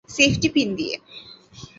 Safety pin দিয়ে।